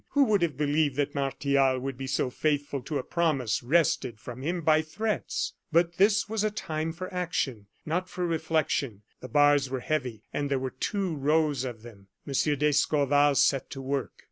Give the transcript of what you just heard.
Who would have believed that Martial would be so faithful to a promise wrested from him by threats? But this was a time for action, not for reflection. The bars were heavy, and there were two rows of them. M. d'Escorval set to work.